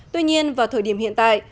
tuy nhiên vào thời điểm hiện tại